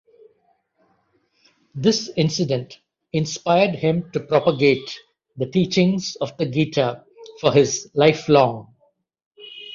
This incident inspired him to propagate the teachings of the Gita for his lifelong.